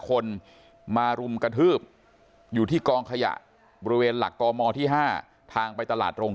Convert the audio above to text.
คนมารุมกระทืบอยู่ที่กองขยะบริเวณหลักกมที่๕ทางไปตลาดโรง